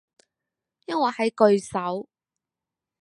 因為喺句首